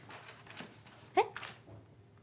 えっ？